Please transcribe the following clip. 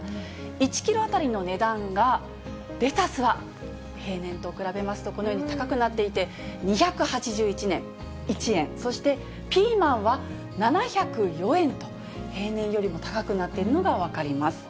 １キロ当たりの値段がレタスは平年と比べますと、このように高くなっていて、２８１円、そしてピーマンは７０４円と、平年よりも高くなっているのが分かります。